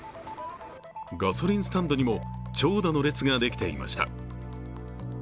ガソリンスタンドにも長蛇の列ができていました。